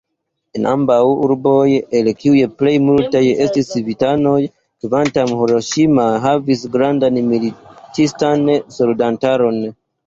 En ambaŭ urboj, el kiuj plejmultaj estis civitanoj, kvankam Hiroŝima havis grandan militistan soldataron.